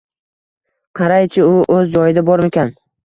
Qaraychi, u o'z joyida bormikan?